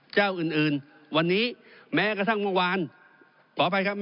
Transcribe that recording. จ้าวอื่นวันนี้แม้กระทั่งเมื่อความ